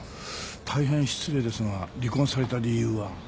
大変失礼ですが離婚された理由は？